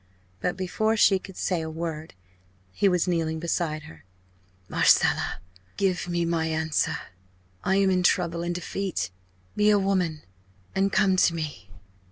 But before she could say a word he was kneeling beside her. "Marcella I give me my answer! I am in trouble and defeat be a woman, and come to me!"